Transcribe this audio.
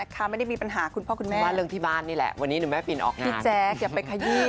ไม่รู้อันนี้ต้องถามเขาถามเราเราตอบไม่ได้